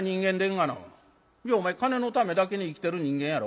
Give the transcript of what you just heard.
「お前金のためだけに生きてる人間やろ？」。